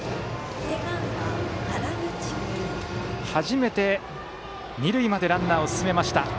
初めて二塁までランナーを進めました。